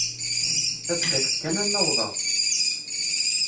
Tadqiqt kan ad n-awḍeɣ.